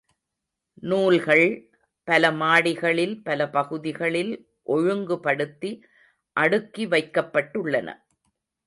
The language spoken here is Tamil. நூல்கள், பல மாடிகளில், பல பகுதிகளில், ஒழுங்குபடுக்தி, அடுக்கி வைக்கப்பட்டுள்ளன.